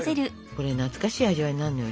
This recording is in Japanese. これ懐かしい味わいになるのよ